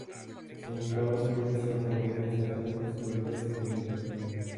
Se enclava en plena Sierra Morena, destacando por sus valores medioambientales.